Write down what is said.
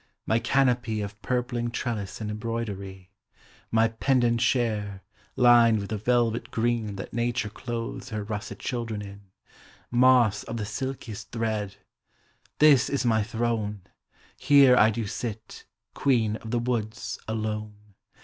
my canopy Of purpling trellis and embroidery : My pendant chair, lined with the velvet green That nature clothes her russet children in, Moss of the silkiest thread : This is my throne, Here I do sit, queen of the woods, alone